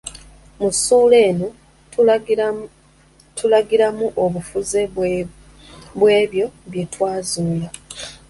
Mu ssuula eno, tulagiramu obufunze bw’ebyo bye twazuula.